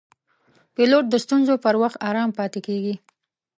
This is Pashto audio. پیلوټ د ستونزو پر وخت آرام پاتې کېږي.